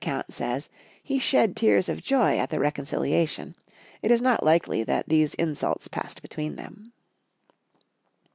189 count says he shed tears of joy at the reconciliation, it is not likely that these insults passed between them.